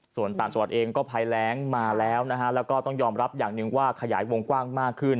ส่วนต่างจังหวัดเองก็ภัยแรงมาแล้วนะฮะแล้วก็ต้องยอมรับอย่างหนึ่งว่าขยายวงกว้างมากขึ้น